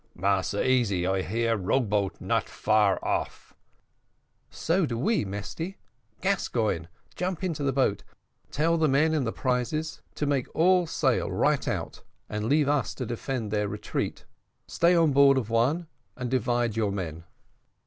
"Massa Easy, I hear row boat not far off." "So do we, Mesty. Gascoigne, jump into the boat tell the men in the prizes to make all sail right out, and leave us to defend their retreat stay on board of one and divide your men."